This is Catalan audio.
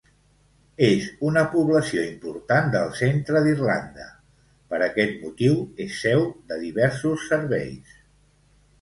És una població important del centre d'Irlanda, per aquest motiu és seu de diversos serveis.